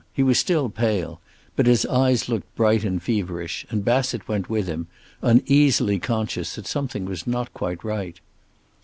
He was still pale, but his eyes looked bright and feverish, and Bassett went with him, uneasily conscious that something was not quite right.